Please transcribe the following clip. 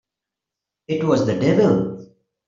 It was the devil!